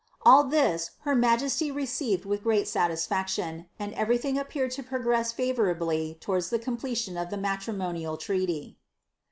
^ All this her majesty received with great satisfaction ; and ever)'thing appeared to progress favourably towards the completion ot the matrimonial treaty.